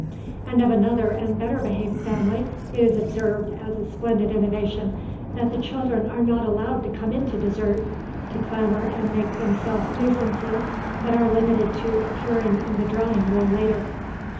And of another and better behaved family it is observed as a splendid innovation that the children are not allowed to come into dessert, to clamour and make themselves nuisances, but are limited to appearing in the drawing room later.